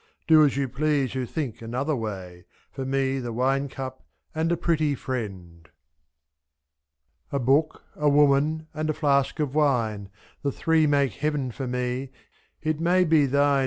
3^. Do as you please who think another way — For me the wine cup and a pretty friend. A book, a woman, and a flask of wine : The three make heaven for me ; it may be thine 3^.